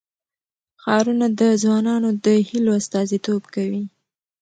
ښارونه د ځوانانو د هیلو استازیتوب کوي.